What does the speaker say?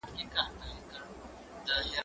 زه هره ورځ لاس پرېولم!؟